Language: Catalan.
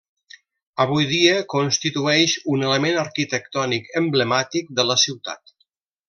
Avui dia constitueix un element arquitectònic emblemàtic de la ciutat.